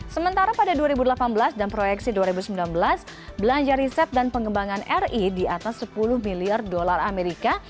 sementara pada dua ribu delapan belas dan proyeksi dua ribu sembilan belas belanja riset dan pengembangan ri di atas sepuluh miliar dolar amerika